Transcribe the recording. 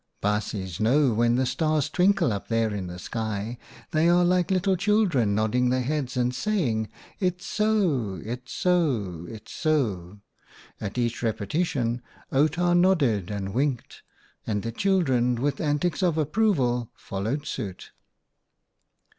" Baasjes know, when the stars twinkle up there in the sky they are like little children nodding their heads and saying, * Its so ! It's so ! It's so !'" At each repetition Outa nodded and winked, and the children, with antics of approval, followed suit.